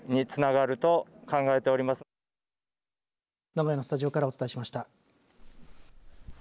名古屋のスタジオからお伝えしました。